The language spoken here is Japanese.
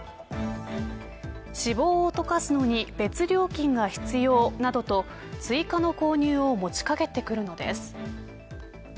脂肪を溶かすのに別料金が必要などと追加の購入を持ちかけてくるのです。